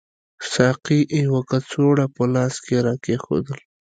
ساقي یوه کڅوړه په لاس کې راکېښودل.